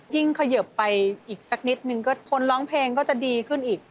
เขยิบไปอีกสักนิดนึงก็คนร้องเพลงก็จะดีขึ้นอีก